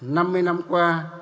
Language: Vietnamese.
năm mươi năm qua